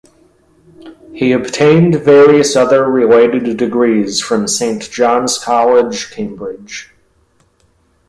He obtained various other related degrees from Saint John's College, Cambridge.